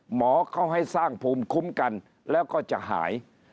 หมอเขาให้สร้างภูมิคุ้มกันแล้วก็จะหาย